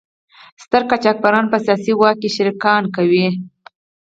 ستر قاچاقبران په سیاسي واک کې شریکان کوي.